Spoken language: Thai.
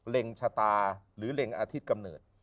ชะตาหรือเล็งอาทิตย์กำเนิด